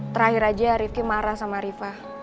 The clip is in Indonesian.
terakhir aja rifki marah sama riva